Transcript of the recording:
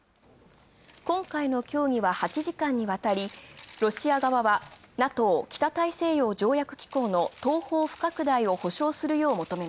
今回の協議は８時間にわたりロシア側は、ＮＡＴＯ＝北大西洋条約機構の東方不拡大を。